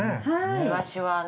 ◆イワシはね。